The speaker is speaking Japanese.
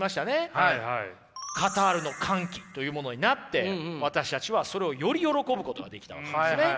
「カタールの歓喜」というものになって私たちはそれをより喜ぶことができたわけですね。